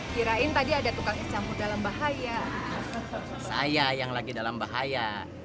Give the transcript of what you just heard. kirain tadi ada tukang secampur dalam bahaya saya yang lagi dalam bahaya